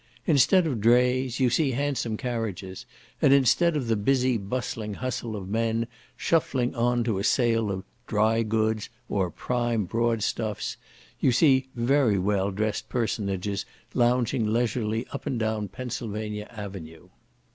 Instead of drays you see handsome carriages; and instead of the busy bustling hustle of men, shuffling on to a sale of "dry goods" or "prime broad stuffs," you see very well dressed personages lounging leisurely up and down Pennsylvania Avenue.